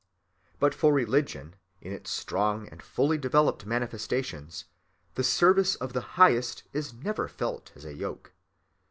But for religion, in its strong and fully developed manifestations, the service of the highest never is felt as a yoke.